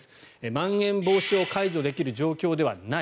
まん延防止を解除できる状況ではない。